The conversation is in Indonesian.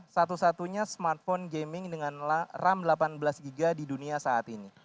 satu satunya smartphone gaming dengan ram delapan belas giga di dunia saat ini